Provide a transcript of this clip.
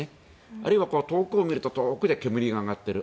あるいは遠くを見ると遠くで煙が上がっている。